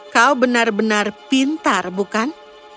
kau benar benar pintar bukan